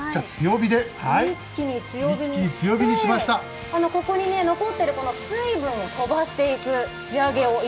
一気に強火にしてここに残っている水分を飛ばしていきます。